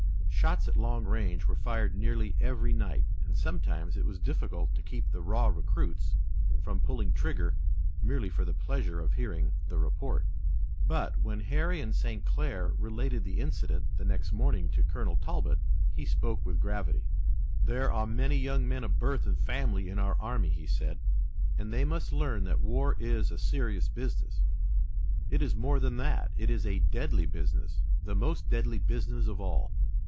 Shots at long range were fired nearly every night, and sometimes it was difficult to keep the raw recruits from pulling trigger merely for the pleasure of hearing the report. But when Harry and St. Clair related the incident the next morning to Colonel Talbot, he spoke with gravity. "There are many young men of birth and family in our army," he said, "and they must learn that war is a serious business. It is more than that; it is a deadly business, the most deadly business of all.